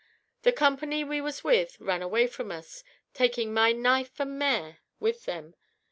The company we was with ran away from us, taking my knife and mare with them.